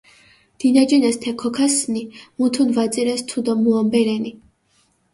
დინაჯინეს თე ქოქასჷნი, მუთუნ ვაძირეს თუდო მუამბე რენი.